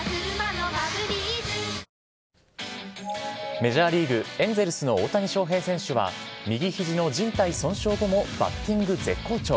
メジャーリーグ・エンゼルスの大谷翔平選手は、右ひじのじん帯損傷後もバッティング絶好調。